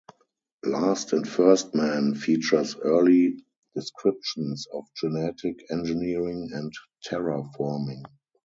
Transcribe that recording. "Last and First Men" features early descriptions of genetic engineering and terraforming.